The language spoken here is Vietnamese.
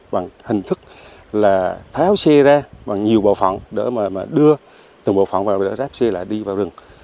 bằng nhiều bộ phòng để đưa từng bộ phòng và rác xe lại đi vào rừng